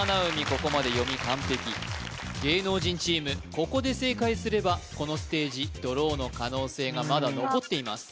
ここまで読み完璧芸能人チームここで正解すればこのステージドローの可能性がまだ残っています